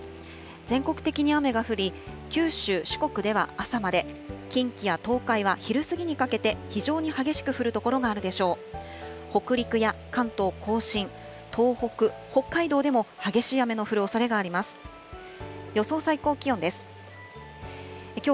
全国的に雨が降り、九州、四国では朝まで、近畿や東海は昼過ぎにかけて、非常に激しく降る所があるでしょう。